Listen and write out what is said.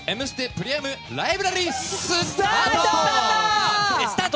プレミアムライブラリースタート！